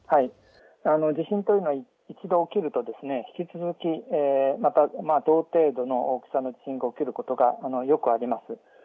地震というのは一度起きると引き続きまた同程度の大きさの地震が起きることがよくあります。